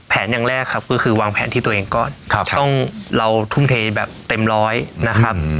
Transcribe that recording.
อย่างแรกครับก็คือวางแผนที่ตัวเองก่อนต้องเราทุ่มเทแบบเต็มร้อยนะครับ